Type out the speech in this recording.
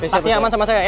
taksi aman sama saya ya